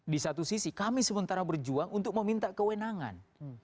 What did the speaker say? di satu sisi kami sementara berjuang untuk meminta kewenangan